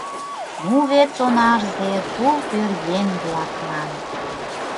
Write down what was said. Ну вет сонарзе тул пӧръеҥ-влакнан!